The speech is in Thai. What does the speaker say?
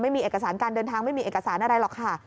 ไม่มีเอกสารการเดินทางไม่มีเอกสารอะไรหรอกค่ะ